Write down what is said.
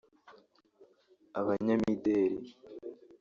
abanyamideli